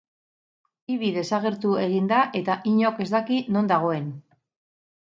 Ibi desagertu egin da eta inork ez daki non dagoen.